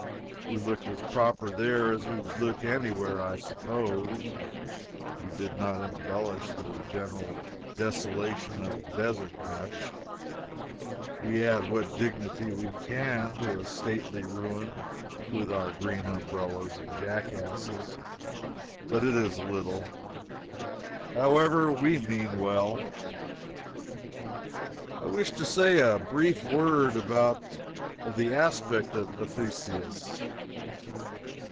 We looked as proper there as we would look any where, I suppose. We do not embellish the general desolation of a desert much. We add what dignity we can to a stately ruin with our green umbrellas and jackasses, but it is little. However, we mean well. I wish to say a brief word of the aspect of Ephesus.